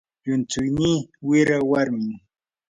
llumtsuynii wira warmim.